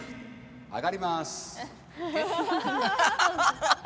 上がります。